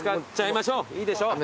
いいでしょう。